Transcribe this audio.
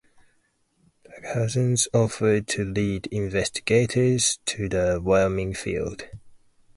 The cousins offered to lead investigators to the Wyoming field.